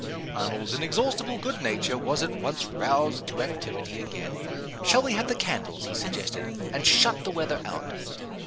Arnold's inexhaustible good nature was at once roused to activity again. "Shall we have the candles," he suggested, "and shut the weather out?"